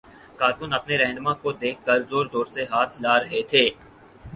کارکن اپنے راہنما کو دیکھ کر زور زور سے ہاتھ ہلا رہے تھے